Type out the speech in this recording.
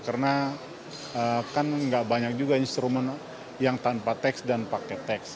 karena kan nggak banyak juga instrumen yang tanpa tax dan pakai tax